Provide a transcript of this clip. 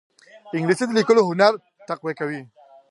انګلیسي د لیکلو هنر تقویه کوي